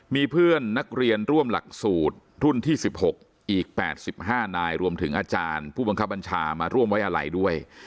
มีเพื่อนนักเรียนร่วมหลักสูตรรุ่นที่๑๖อีก๘๕นายรวมถึงอาจารย์ผู้บังคับบัญชามาร่วมไว้อะไรด้วย